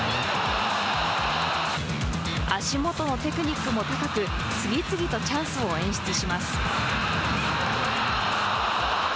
足元のテクニックも高く次々とチャンスを演出します。